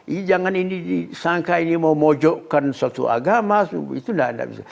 ini jangan ini disangka ini mau mojokkan suatu agama itu enggak